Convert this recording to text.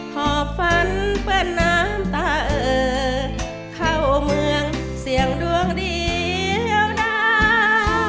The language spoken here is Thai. หอบฝันเปื้อนน้ำตาเอ่อเข้าเมืองเสี่ยงดวงเดียวหน้า